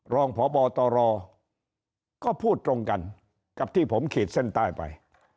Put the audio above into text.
รองพบตรก็พูดตรงกันกับที่ผมขีดเส้นใต้ไป